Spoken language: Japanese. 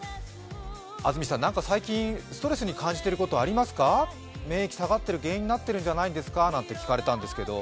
安住さん、なんか最近、ストレスに感じていることありますか、目、下がってる原因になってるんじゃないですかと聞かれたんですけど